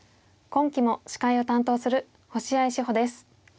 今期も司会を担当する星合志保です。